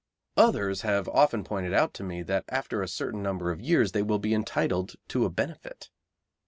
Others have often pointed out to me that after a certain number of years they will be entitled to a benefit.